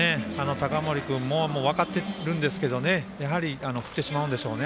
高森君も分かってるんですけど振ってしまうんでしょうね